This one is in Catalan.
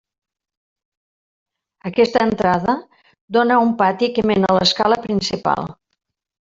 Aquesta entrada dóna a un pati que mena a l'escala principal.